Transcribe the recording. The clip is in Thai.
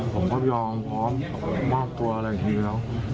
ผมก็ยอมพร้อมมากกว่าอะไรอย่างนี้ดีแล้ว